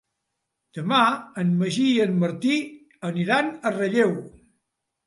Demà en Magí i en Martí aniran a Relleu.